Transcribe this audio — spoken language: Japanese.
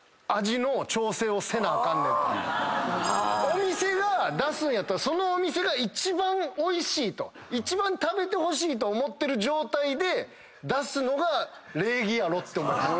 お店が出すんやったらそのお店が一番おいしいと一番食べてほしいと思ってる状態で出すのが礼儀やろって思うんです。